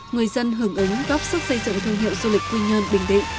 người dân hưởng ứng góp sức xây dựng thương hiệu du lịch quy nhơn bình định